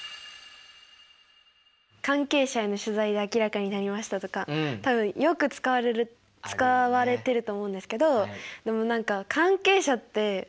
「関係者への取材で明らかになりました」とか多分よく使われてると思うんですけどでも何か関係者ってじゃあ誰？みたいな。